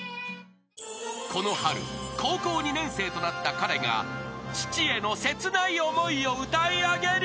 ［この春高校２年生となった彼が父への切ない思いを歌い上げる］